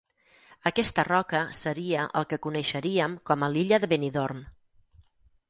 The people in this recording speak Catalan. Aquesta roca seria el que coneixeríem com a l'Illa de Benidorm.